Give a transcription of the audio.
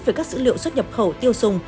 với các dữ liệu xuất nhập khẩu tiêu dùng